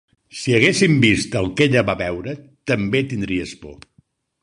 Si haguessin vist el que ella va veure també tindries por